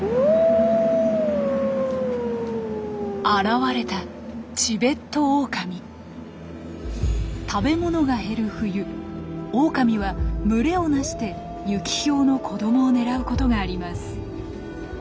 現れた食べ物が減る冬オオカミは群れをなしてユキヒョウの子どもを狙うことがあります。